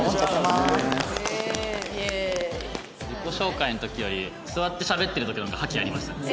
自己紹介の時より座ってしゃべってる時の方が覇気ありましたね。